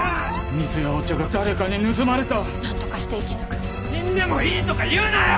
水やお茶が誰かに盗まれた何とかして生き抜く死んでもいいとか言うなよ！